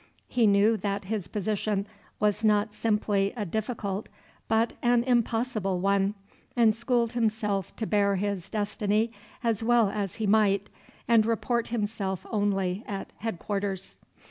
He knew that his position was not simply a difficult, but an impossible one, and schooled himself to bear his destiny as well as he might, and report himself only at Headquarters.